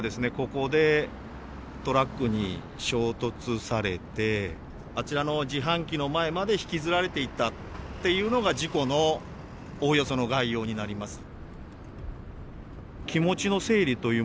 ここでトラックに衝突されてあちらの自販機の前まで引きずられていったっていうのが事故のおおよその概要になります。